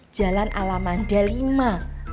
jalan alamanda lima